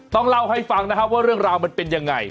ต้องเล่าให้ฟังนะครับว่าเรื่องราวมันเป็นยังไง